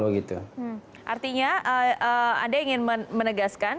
artinya anda ingin menegaskan